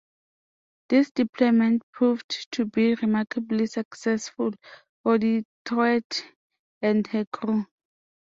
This deployment proved to be remarkably successful for "Detroit" and her crew.